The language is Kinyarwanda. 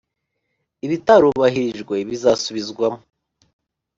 Ibitarubahirijwe bizasubizwamo.